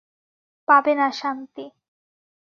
পাবে না শান্তি।